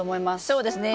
そうですね。